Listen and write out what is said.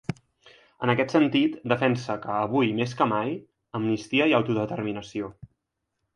En aquest sentit, defensa que “avui més que mai; amnistia i autodeterminació”.